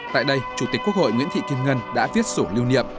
tại đây chủ tịch quốc hội nguyễn thị kim ngân đã viết sổ lưu niệm